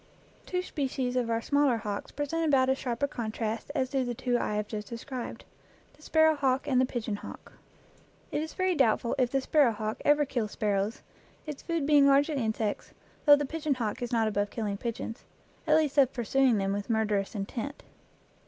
Two species of our smaller hawks present about as sharp a contrast as do the two I have just de scribed the sparrow hawk and the pigeon hawk. It is very doubtful if the sparrow hawk ever kills sparrows, its food being largely insects, though the pigeon hawk is not above killing pigeons at least of pursuing them with murderous intent.